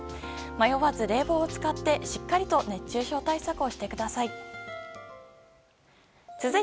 迷わず冷房を使って、しっかりと熱中症対策をしてください。